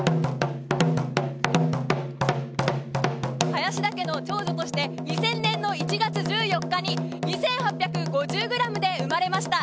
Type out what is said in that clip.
林田家の長女として２０００年１月１４日に２８５０ｇで生まれました。